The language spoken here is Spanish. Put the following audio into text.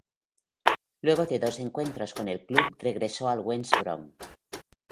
Luego de dos encuentros con el club regresó al West Brom.